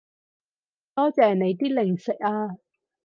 多謝你啲零食啊